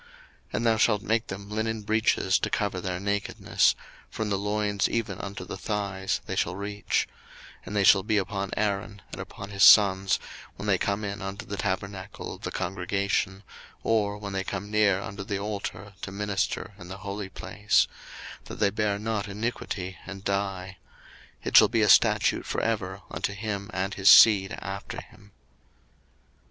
02:028:042 And thou shalt make them linen breeches to cover their nakedness; from the loins even unto the thighs they shall reach: 02:028:043 And they shall be upon Aaron, and upon his sons, when they come in unto the tabernacle of the congregation, or when they come near unto the altar to minister in the holy place; that they bear not iniquity, and die: it shall be a statute for ever unto him and his seed after him.